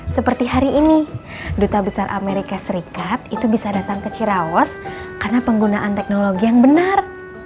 seperti hari ini duta besar amerika serikat itu bisa datang ke ciraos karena penggunaan teknologi yang benar